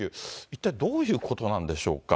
一体どういうことなんでしょうか。